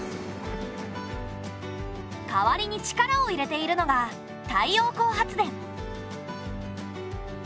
代わりに力を入れているのが太陽光発電。